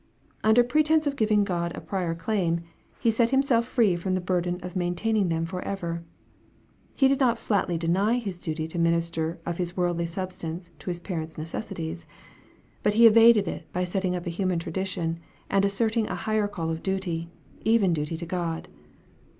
Under pretence of giving God a prior claim, he set himself free from the burden of main taining them for ever. He did not flatly deny his duty to minister of his worldly substance to his parents' necessities. But he evaded it by setting up a human tradition, and asserting a higher call of duty, even duty to God.